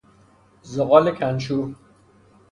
زغال کنشور